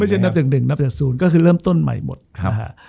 ไม่ใช่นับจากหนึ่งนับจากศูนย์ก็คือเริ่มต้นใหม่หมดนะฮะ